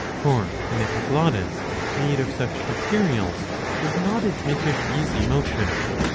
For an epiglottis made of such materials would not admit of easy motion.